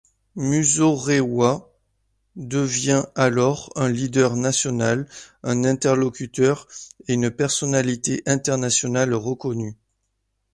Muzorewa devient alors un leader national, un interlocuteur et une personnalité internationale reconnue.